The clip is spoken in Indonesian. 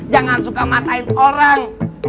jangan suka matain orang